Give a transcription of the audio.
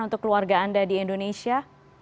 untuk keluarga anda di indonesia